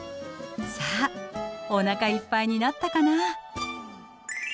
さあおなかいっぱいになったかな。